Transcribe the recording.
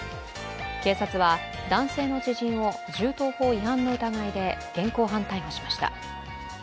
警察は、男性の知人を銃刀法違反の疑いで現行犯逮捕しました。